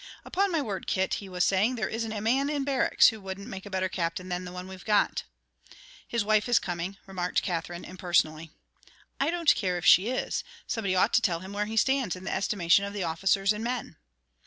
"Upon my word, Kit," he was saying, "there isn't a man in barracks who wouldn't make a better Captain than the one we've got." "His wife is coming," remarked Katherine, impersonally. "I don't care if she is. Somebody ought to tell him where he stands in the estimation of the officers and men."